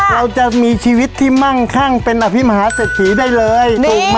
เราจะมีชีวิตที่มั่งคั่งเป็นอภิมหาเศรษฐีได้เลย